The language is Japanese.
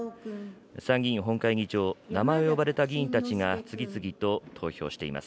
参議院本会議場、名前を呼ばれた議員たちが、次々と投票しています。